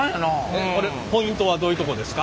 ポイントはどういうとこですか？